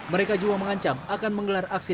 mereka juga mengancam akan menggelar aksi